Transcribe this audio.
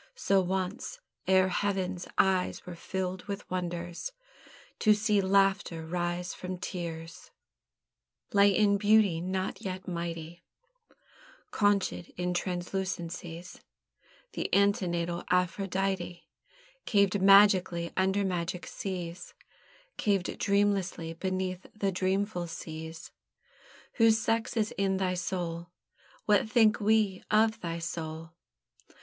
So once, ere Heaven's eyes were filled with wonders To see Laughter rise from Tears, Lay in beauty not yet mighty, Conchèd in translucencies, The antenatal Aphrodite, Caved magically under magic seas; Caved dreamlessly beneath the dreamful seas. "Whose sex is in thy soul!" What think we of thy soul?